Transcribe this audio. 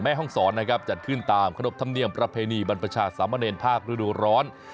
แม่ฮ่องศรจัดขึ้นตามขนบธรรมเนียมประเพณีบรรพชาติสามเมินภาคฤดูร้อน